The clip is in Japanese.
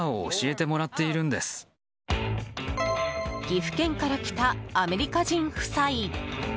岐阜県から来たアメリカ人夫妻。